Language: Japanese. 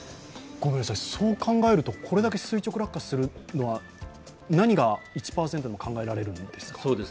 そう考えると、これだけ垂直落下というのは、何が１％でも考えられるんですか？